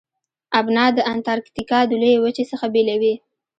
ابنا د انتارکتیکا د لویې وچې څخه بیلوي.